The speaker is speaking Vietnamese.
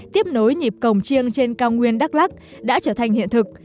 tiếp nối nhịp cổng trương trên cao nguyên đắk lắc đã trở thành hiện thực